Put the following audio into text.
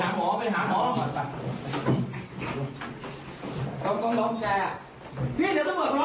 สามารถไม่ได้เป็นอร่อย